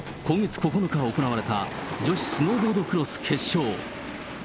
今月９日行われた、女子スノーボードクロス決勝。